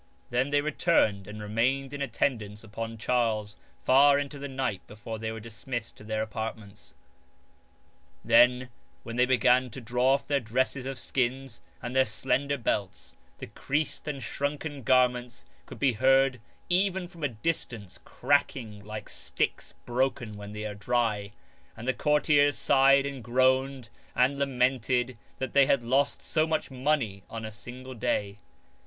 Then they returned and remained in attendance upon Charles far into the night before they were dismissed to their apartments. Then when they began to draw off their dresses of skins and their slender belts, the creased and shrunken garments could be heard even from a distance crack ing like sticks broken when they are dry : and the courtiers sighed and groaned and lamented that they had lost so much money on a single day.